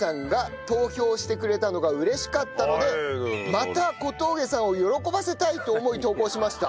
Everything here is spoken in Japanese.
また小峠さんを喜ばせたいと思い投稿しました。